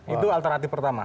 itu alternatif pertama